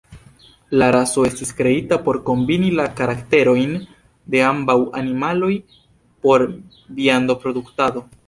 La raso estis kreita por kombini la karakterojn de ambaŭ animaloj por viando-produktado.